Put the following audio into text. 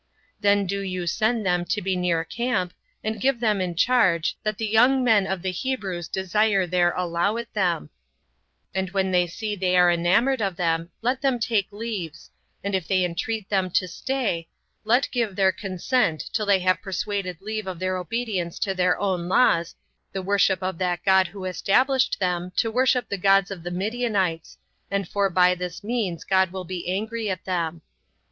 Then do you send them to be near camp, and give them in charge, that the young men of the Hebrews desire their allow it them; and when they see they are enamored of them, let them take leaves; and if they entreat them to stay, let give their consent till they have persuaded leave off their obedience to their own laws, the worship of that God who established them to worship the gods of the Midianites and for by this means God will be angry at them 11."